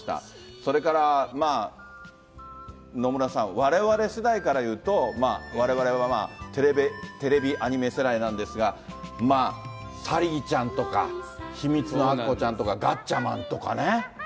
それから野村さん、われわれ世代からいうと、われわれはまあ、テレビアニメ世代なんですが、まあ、サリーちゃんとか、ひみつのアッコちゃんとか、ガッチャマンとかね。